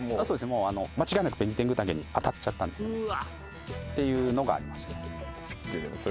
もう間違いなくベニテングタケにあたっちゃったんですよねっていうのがありましたね